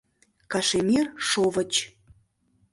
КАШЕМИР ШОВЫЧ